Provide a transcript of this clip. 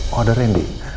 oh ada randy